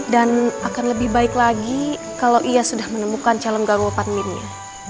dan akan lebih baik lagi kalau ia sudah menemukan calon garu panminnya